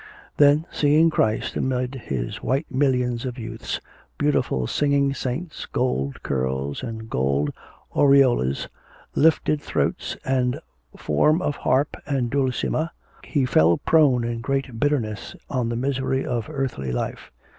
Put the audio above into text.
Then seeing Christ amid His white million of youths, beautiful singing saints, gold curls and gold aureoles, lifted throats, and form of harp and dulcimer, he fell prone in great bitterness on the misery of earthly life.